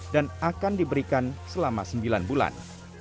dan akan diberikan selama sembilan bulan